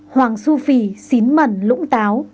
hoàng su phi xín mần lũng táo